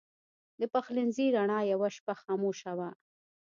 د پخلنځي رڼا یوه شپه خاموشه وه.